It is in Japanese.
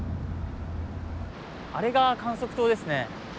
あれが観測塔ですね。